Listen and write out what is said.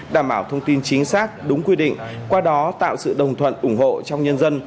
đảm bảo thông tin chính xác đúng quy định qua đó tạo sự đồng thuận ủng hộ trong nhân dân